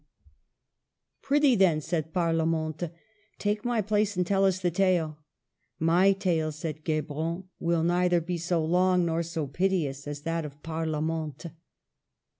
THE '' heptameron:' 237 "Prithee, then," said Parlamente, "take my place and tell us the tale." " My tale," said Guebron, " will neither be so long nor so piteous as that of Parlamente."